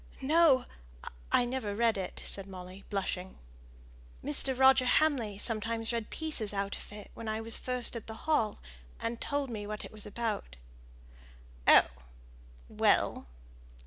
"No! I never read it!" said Molly, blushing. "Mr. Roger Hamley sometimes read pieces out of it when I was first at the Hall, and told me what it was about." "Oh! well.